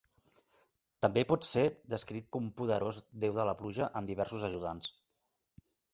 També pot ser descrit com un poderós déu de la pluja, amb diversos ajudants.